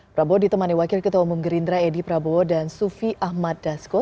prabowo ditemani wakil ketua umum gerindra edi prabowo dan sufi ahmad dasko